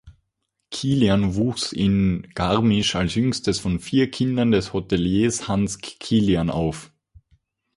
Kilian wuchs in Garmisch als jüngstes von vier Kindern des Hoteliers Hanns Kilian auf.